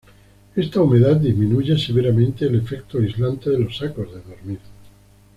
Esta humedad disminuye severamente el efecto aislante de los sacos de dormir.